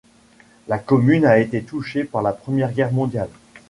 La commune a été touchée par la Première Guerre mondiale.